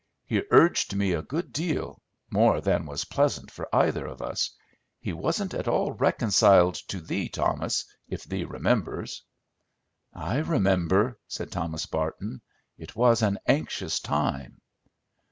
He urged me a good deal, more than was pleasant for either of us. He wasn't at all reconciled to thee, Thomas, if thee remembers." "I remember," said Thomas Barton. "It was an anxious time."